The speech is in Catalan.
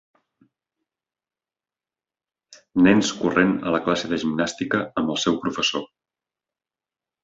Nens corrent a la classe de gimnàstica amb el seu professor.